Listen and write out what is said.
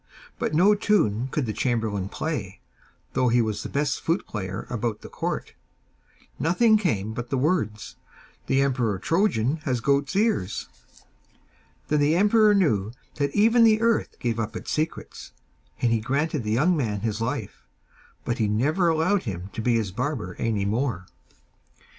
But no tune could the chamberlain play, though he was the best flute player about the court nothing came but the words, 'The Emperor Trojan has goat's ears.' Then the emperor knew that even the earth gave up its secrets, and he granted the young man his life, but he never allowed him to be his barber any more.